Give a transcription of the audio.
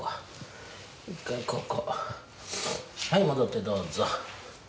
はい戻ってどうぞ。